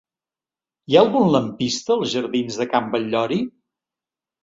Hi ha algun lampista als jardins de Can Batllori?